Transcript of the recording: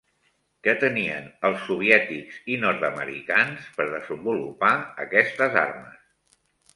Què tenien els soviètics i nord-americans per desenvolupar aquestes armes?